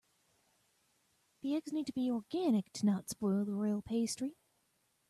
The eggs need to be organic to not spoil the royal pastries.